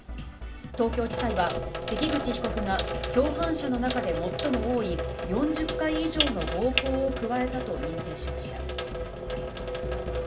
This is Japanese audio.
東京地裁は、関口被告が共犯者の中で最も多い、４０回以上の暴行を加えたと認定しました。